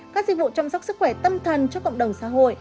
các dịch vụ chăm sóc sức khỏe tâm thần cho cộng đồng xã hội